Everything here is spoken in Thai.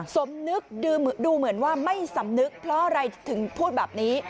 สมนึกดูเหมือนว่าไม่สำนึกเพราะอะไรถึงพูดแบบนี้